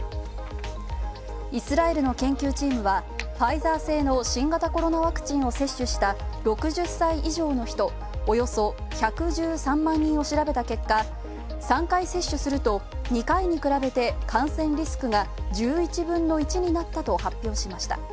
イスラエルの研究チームはファイザー製の新型コロナワクチンを接種した６０歳以上の人およそ１１３万人を調べた結果３回接種すると、２回に比べて感染リスクが１１分の１になったと発表しました。